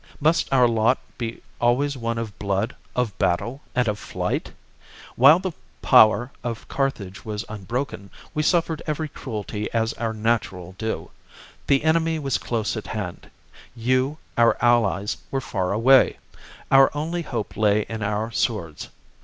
Must our lot be always one of blood, of battle, and of flight ? While the power of Carthage was unbroken, we suffered every cruelty as our natural due. The enemy was close at hand ; you, our allies, were far away ; our only hope lay in our swords.